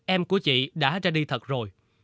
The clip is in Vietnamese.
em của chị đã ra đi thật rồi